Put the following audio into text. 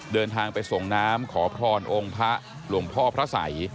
เดินทางไปส่งน้ำขอพรองค์พระหลวงพ่อพระสัย